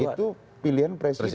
itu pilihan presiden